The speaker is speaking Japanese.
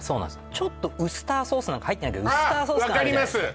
ちょっとウスターソースなんか入ってないけどウスターソース感あるあっ分かります